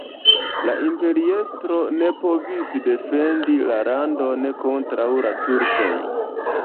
La imperiestro ne povis defendi la landon kontraŭ la turkoj.